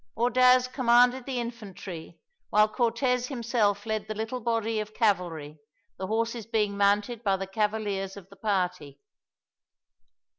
Ordaz commanded the infantry, while Cortez himself led the little body of cavalry, the horses being mounted by the cavaliers of the party.